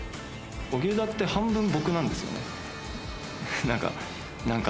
荻生田って半分僕なんですよね。